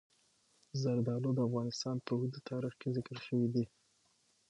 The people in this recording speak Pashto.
زردالو د افغانستان په اوږده تاریخ کې ذکر شوی دی.